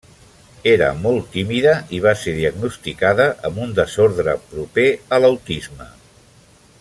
Era molt tímida i va ser diagnosticada amb un desordre proper a l'autisme.